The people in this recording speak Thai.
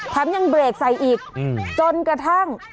ยังเบรกใส่อีกจนกระทั่ง